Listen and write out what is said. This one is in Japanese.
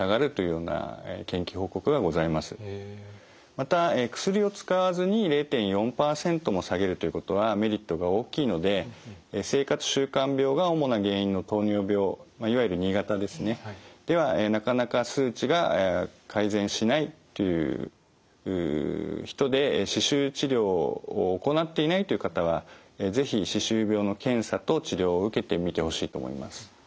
また薬を使わずに０．４％も下げるということはメリットが大きいので生活習慣病が主な原因の糖尿病いわゆる２型ですねではなかなか数値が改善しないという人で歯周治療を行っていないという方は是非歯周病の検査と治療を受けてみてほしいと思います。